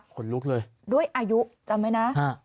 คนลุกเลยด้วยอายุจำไหมนะ